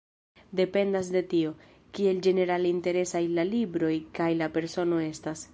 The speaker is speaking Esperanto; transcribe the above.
Dependas de tio, kiel ĝenerale interesaj la libro kaj la persono estas.